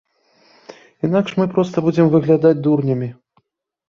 Інакш мы будзем проста выглядаць дурнямі.